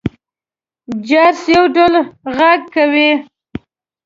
جرس يو ډول غږ کوي.